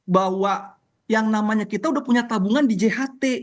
bahwa yang namanya kita udah punya tabungan di jht